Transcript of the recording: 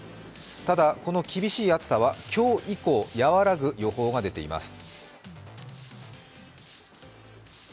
ただ、この厳しい暑さは今日以降やわらぐ予報が出ています。